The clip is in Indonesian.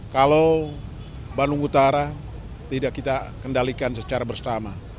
kalau bandung utara tidak kita kendalikan secara bersama